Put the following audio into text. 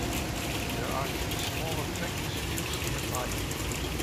There are three smaller practice fields nearby.